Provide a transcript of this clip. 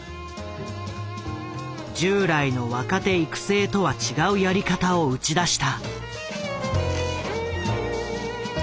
従来の若手育成とは違うやり方を打ち出した。